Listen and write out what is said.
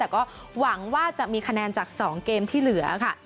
แต่ก็หวังว่าจะมีคะแนนจาก๒เกมที่เหลือค่ะ